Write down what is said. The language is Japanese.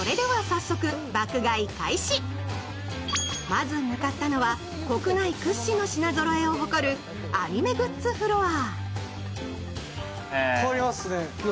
まず向かったのは国内屈指の品ぞろえを誇るアニメグッズフロア。